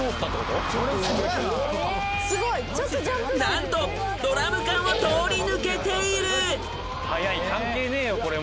［何とドラム缶を通り抜けている］